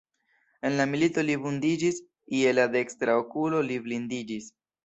En la milito li vundiĝis, je la dekstra okulo li blindiĝis.